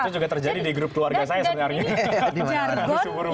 itu juga terjadi di grup keluarga saya sebenarnya